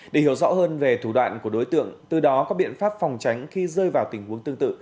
để hiểu rõ hơn về thủ đoạn của đối tượng từ đó có biện pháp phòng tránh khi rơi vào tình huống tương tự